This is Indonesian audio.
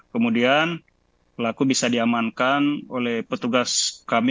kemudian pelaku bisa diamankan oleh petugas kami